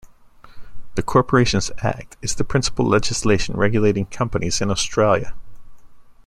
The Corporations Act is the principal legislation regulating companies in Australia.